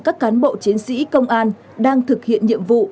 các cán bộ chiến sĩ công an đang thực hiện nhiệm vụ